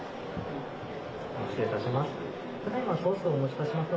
失礼いたします。